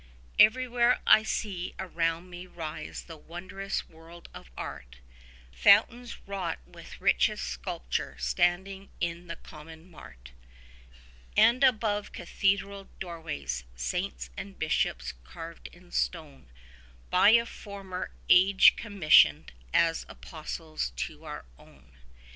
Everywhere I see around me rise the wondrous world of Art: Fountains wrought with richest sculpture standing in the common mart; And above cathedral doorways saints and bishops carved in stone, 15 By a former age commissioned as apostles to our own.